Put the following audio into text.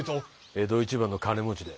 江戸一番の金持ちだ。